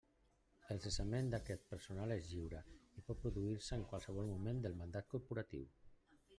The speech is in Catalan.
El cessament d'aquest personal és lliure i pot produir-se en qualsevol moment del mandat corporatiu.